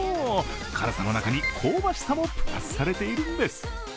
辛さの中に香ばしさもプラスされているんです。